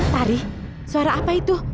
tari suara apa itu